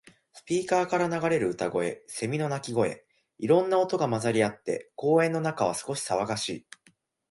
スピーカーから流れる歌声、セミの鳴き声。いろんな音が混ざり合って、公園の中は少し騒がしい。